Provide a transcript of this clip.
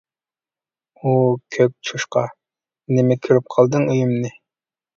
-ھۇ، كۆك چوشقا، نېمە كۆرۈپ قالدىڭ ئۆيۈمنى.